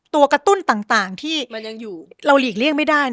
ตัวกะตุ้นต่างที่อยู่เราหลีกเลี่ยงไม่ได้